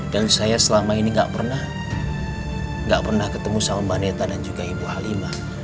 dan saya selama ini gak pernah gak pernah ketemu sama mbak neta dan juga ibu halimah